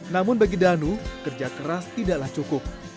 namun bagi danu kerja keras tidaklah cukup